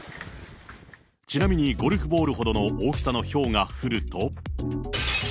ちなみに、ゴルフボールほどの大きさの票が降ると。